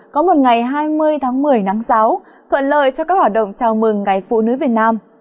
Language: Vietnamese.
có một ngày hai mươi tháng một mươi nắng giáo thuận lợi cho các hoạt động chào mừng ngày phụ nữ việt nam